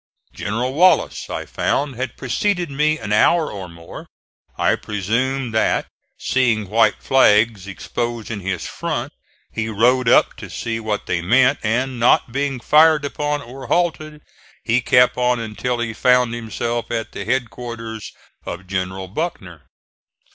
General Wallace, I found, had preceded me an hour or more. I presume that, seeing white flags exposed in his front, he rode up to see what they meant and, not being fired upon or halted, he kept on until he found himself at the headquarters of General Buckner.